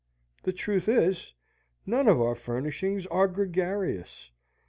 The truth is, none of our furnishings are gregarious.